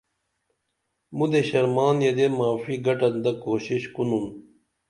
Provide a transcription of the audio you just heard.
مُدے شرمان یدے معافی گٹن تہ کوشش کُنُن